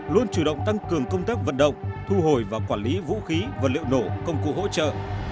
luôn chủ động tăng cường công tác vận động thu hồi và quản lý vũ khí vật liệu nổ công cụ hỗ trợ